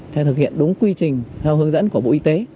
sẽ thực hiện đúng quy trình theo hướng dẫn của bộ y tế